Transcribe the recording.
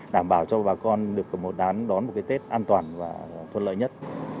đảm bảo cho bà con được đón một cái tết an toàn và thuận lợi nhất